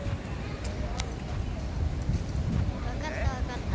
わかったわかった。